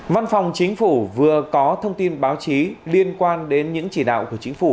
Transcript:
văn phòng chính phủ vừa có thông tin báo chí liên quan đến những chỉ đạo của chính phủ